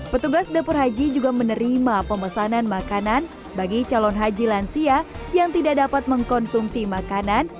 petugas dapur haji juga menerima pemesanan makanan bagi calon haji lansia yang tidak dapat mengkonsumsi makanan